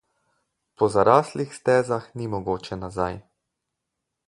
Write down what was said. Po zaraslih stezah ni mogoče nazaj.